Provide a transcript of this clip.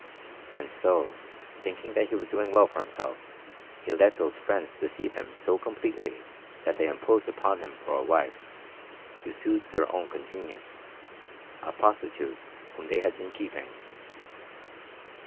And so, thinking that he was doing well for himself, he let those friends deceive him so completely that they imposed upon him for a wife, to suit their own convenience, a prostitute whom they had been keeping.